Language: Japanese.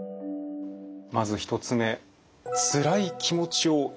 まず１つ目「つらい気持ちを和らげたい」。